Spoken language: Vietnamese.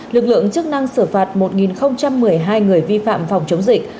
lực lượng chức năng xử phạt một một mươi hai người vi phạm phòng chống dịch